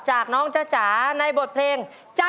จากน้องจ๊ะจ๋าในบทเพลงใจสิเท่